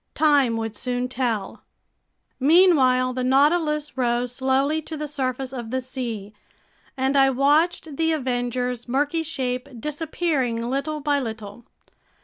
Time would soon tell. Meanwhile the Nautilus rose slowly to the surface of the sea, and I watched the Avenger's murky shape disappearing little by little.